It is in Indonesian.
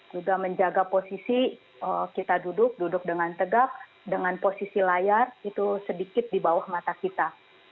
juga menjaga posisi kita duduk duduk dengan tegak dengan posisi layar itu sedikit di bawah mata kita